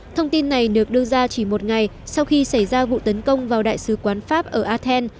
thông tin này được đưa ra chỉ một ngày sau khi xảy ra vụ tấn công vào đại sứ quán pháp ở athen